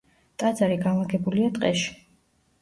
ტაძარი განლაგებულია ტყეში.